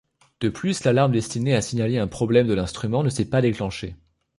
De plus, l'alarme destinée à signaler un problème de l'instrument ne s'est pas déclenchée.